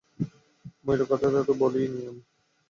ময়ুরের কথা তো বলিইনি আমি।